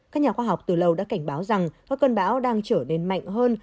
các nhà khoa học từ lâu đã cảnh báo rằng các cơn bão đang trở nên mạnh hơn